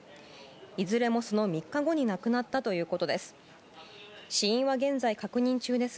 いずれも、その３日後に亡くなったということです。